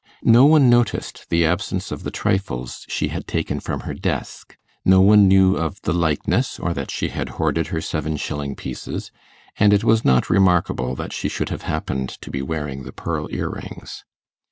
No one noticed the absence of the trifles she had taken from her desk; no one knew of the likeness, or that she had hoarded her seven shilling pieces, and it was not remarkable that she should have happened to be wearing the pearl earrings.